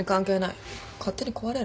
勝手に壊れろ。